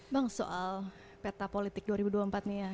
bang soal peta politik dua ribu dua puluh empat nih ya